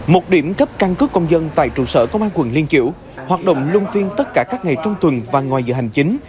một điểm cấp căn cứ công dân tại trụ sở công an quận liên triểu hoạt động luân phiên tất cả các ngày trong tuần và ngoài giờ hành chính